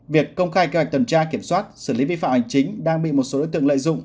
việc công khai kế hoạch tuần tra kiểm soát xử lý vi phạm hành chính đang bị một số đối tượng lợi dụng